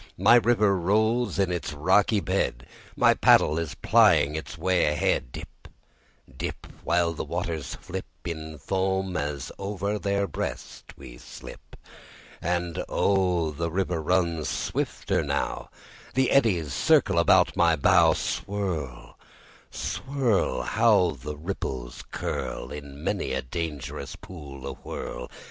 The river rolls in its rocky bed; My paddle is plying its way ahead; Dip, dip, While the waters flip In foam as over their breast we slip. And oh, the river runs swifter now; The eddies circle about my bow. Swirl, swirl! How the ripples curl In many a dangerous pool awhirl!